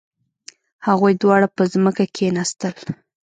هغوی دواړه په ځمکه کښیناستل.